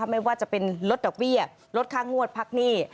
ไม่ว่าจะเป็นลดดอกเบี้ยลดค่างวดพักหนี้